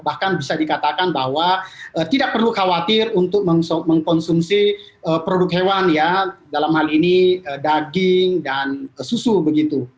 bahkan bisa dikatakan bahwa tidak perlu khawatir untuk mengkonsumsi produk hewan ya dalam hal ini daging dan susu begitu